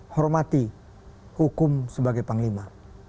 hormati hukum sebagai panglima